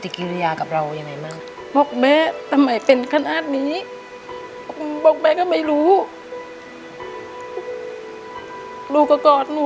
ชักสู้นะ